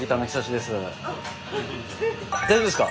大丈夫ですか？